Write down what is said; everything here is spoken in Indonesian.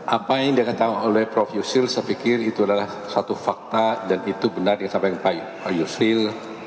apa yang ingin dikatakan oleh prof yusril saya pikir itu adalah satu fakta dan itu benar yang disampaikan pak yusril